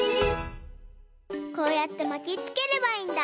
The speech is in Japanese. こうやってまきつければいいんだ。